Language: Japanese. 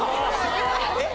えっ？